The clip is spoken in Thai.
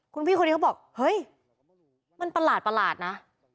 คุณพี่คนนี้เขาบอกเฮ้ยมันประหลาดนะ